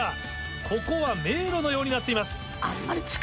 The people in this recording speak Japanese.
ここは迷路のようになっています。